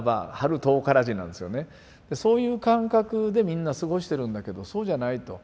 そういう感覚でみんな過ごしてるんだけどそうじゃないと。